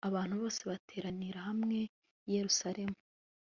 abantu bose bateranira hamwe n i yerusalemu